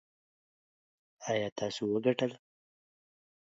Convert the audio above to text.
ایا تاسو وګټل؟